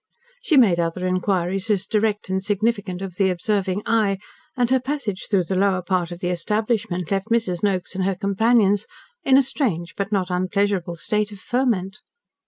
She made other inquiries as direct and significant of the observing eye, and her passage through the lower part of the establishment left Mrs. Noakes and her companions in a strange but not unpleasurable state of ferment.